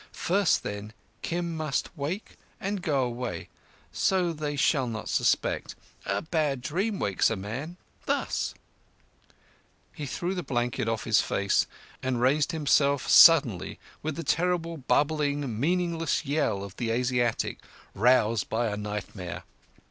First, then, Kim must wake and go away, so that they shall not suspect. A bad dream wakes a man—thus—" He threw the blanket off his face, and raised himself suddenly with the terrible, bubbling, meaningless yell of the Asiatic roused by nightmare.